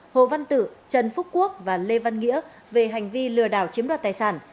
hồ văn tử trần phúc quốc và lê văn nghĩa về hành vi lừa đảo chiếm đoạt tài sản